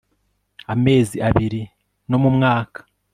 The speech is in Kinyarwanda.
amezi abiri no mu mwaka